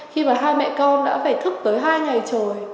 khi mà hai mẹ con đã phải thức tới hai ngày trời